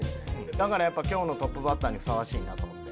だからやっぱ今日のトップバッターにふさわしいなと思って。